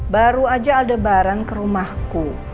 baru aja aldebaran ke rumahku